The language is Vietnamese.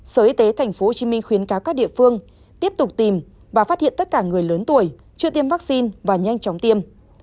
sở y tế tp hcm khuyến cáo các địa phương tiếp tục tìm và phát hiện tất cả người lớn tuổi chưa tiêm vaccine và nhanh chóng tiêm